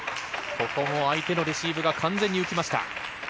ここも相手のレシーブが完全に浮きました。